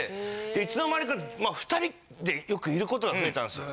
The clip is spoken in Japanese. いつの間にか２人でよくいる事が増えたんです。